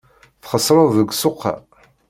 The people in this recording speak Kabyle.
Txesreḍ deg ssuq-a.